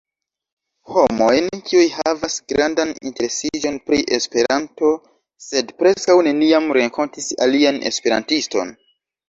Homojn, kiuj havas grandan interesiĝon pri Esperanto, sed preskaŭ neniam renkontis alian esperantiston.